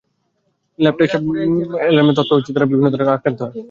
Lab test date অ্যালার্মে তথ্য দিয়ে রাখলে সময়মতো অ্যালার্মের সাহায্যে দেবে অ্যাপটি।